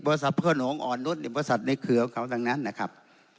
บริษัทเพื่อหนูอ่อนนุษย์บริษัทในเครืองั้นนะครับ